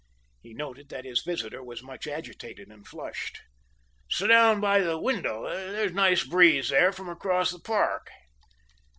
He noted that his visitor was much agitated and flushed. "Sit down by the window; there is a nice breeze there from across the park."